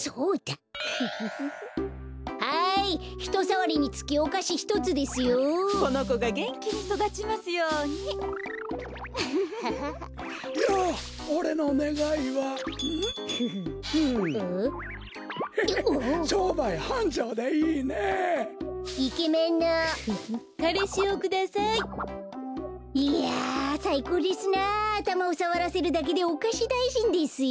あたまをさわらせるだけでおかしだいじんですよ。